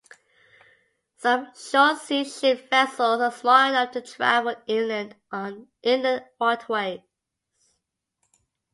Some short sea ship vessels are small enough to travel inland on inland waterways.